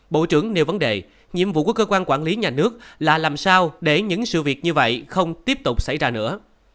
bộ trưởng nêu vấn đề nhiệm vụ của cơ quan quản lý nhà nước là làm sao để những sự việc như vậy không tiếp tục xảy ra nữa